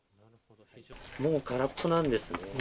もう空っぽなんですね。